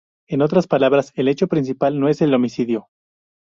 En otras palabras, el hecho principal no es el homicidio.